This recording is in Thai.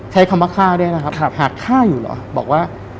ใช้คำว่าฆ่าด้วยนะครับหากฆ่าอยู่เหรอบอกว่า